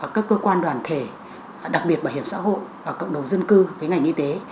các cơ quan đoàn thể đặc biệt bảo hiểm xã hội và cộng đồng dân cư với ngành y tế